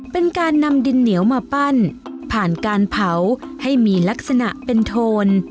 เป็นการนำดินเหนียวมาปั้นผ่านการเผาให้มีลักษณะเป็นโทน